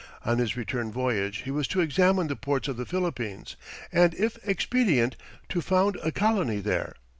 On his return voyage he was to examine the ports of the Philippines, and, if expedient, to found a colony there.